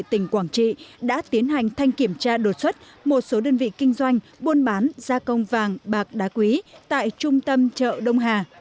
tỉnh quảng trị đã tiến hành thanh kiểm tra đột xuất một số đơn vị kinh doanh buôn bán gia công vàng bạc đá quý tại trung tâm chợ đông hà